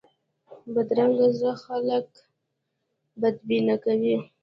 بدرنګه زړه خلک بدبینه کوي